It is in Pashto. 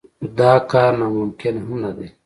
خو دا کار ناممکن هم نه دی.